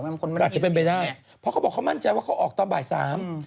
อาจจะเป็นไปได้เพราะเค้าบอกเค้ามั่นใจว่าเค้าออกตั้งบ่ายสาม